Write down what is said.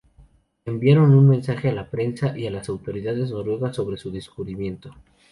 Enviaron un mensaje a la prensa y a las autoridades noruegas sobre su descubrimiento.